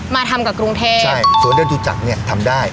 มาทำกับกรุงเทพใช่สวนเดินตุจักรเนี่ยทำได้